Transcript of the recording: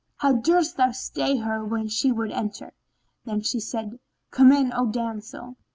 How durst thou stay her when she would enter?" Then said she, "Come in, O damsel!"